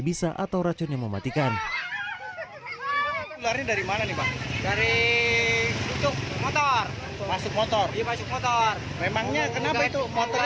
bisa atau racun yang mematikan lari dari mana nih dari motor motor memangnya kenapa itu